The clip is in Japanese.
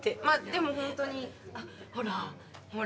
まあでもほんとにほら。